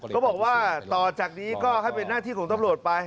ก็บอกว่าต่อจากนี้ก็ให้เป็นหน้าที่ของตำรวจไป